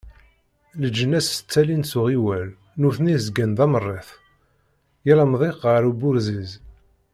Leǧnas ttalin s uɣiwel, nutni zgan d amerret, yal amḍiq yers uburziz.